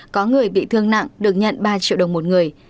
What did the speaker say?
có người bị thương nặng được nhận ba triệu đồng một người